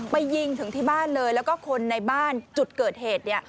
ยิงถึงที่บ้านเลยแล้วก็คนในบ้านจุดเกิดเหตุเนี่ย